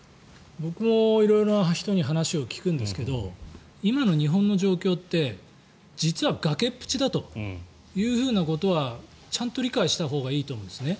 僕も色々な人に話を聞くんですけど今の日本の状況って実は崖っぷちだということはちゃんと理解したほうがいいと思います。